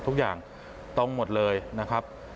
ทุกอย่างตรงหมดเลยนะครับ